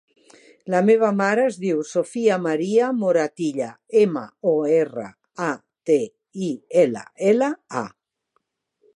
La meva mare es diu Sofia maria Moratilla: ema, o, erra, a, te, i, ela, ela, a.